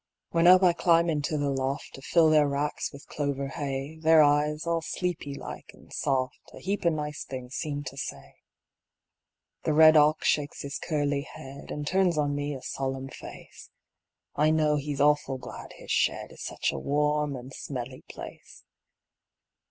When up I climb into the loft To fill their racks with clover hay, Their eyes, all sleepy like and soft, A heap of nice things seem to say. The red ox shakes his curly head, An' turns on me a solemn face; I know he's awful glad his shed Is such a warm and smelly place.